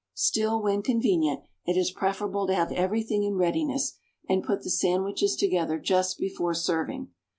Still, when convenient, it is preferable to have everything in readiness, and put the sandwiches together just before serving.